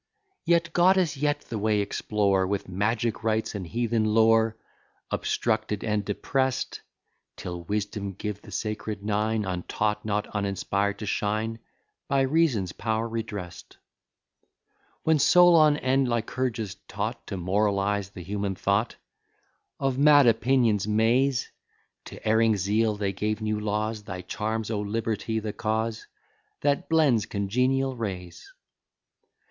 Yet, goddess, yet the way explore With magic rites and heathen lore Obstructed and depress'd; Till Wisdom give the sacred Nine, Untaught, not uninspired, to shine, By Reason's power redress'd. When Solon and Lycurgus taught To moralize the human thought Of mad opinion's maze, To erring zeal they gave new laws, Thy charms, O Liberty, the cause That blends congenial rays.